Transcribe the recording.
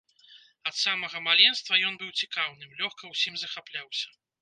Ад самага маленства ён быў цікаўным, лёгка ўсім захапляўся.